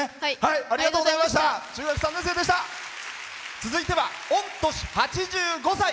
続いては御年８５歳。